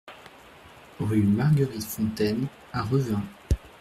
Rue Marguerite Fontaine à Revin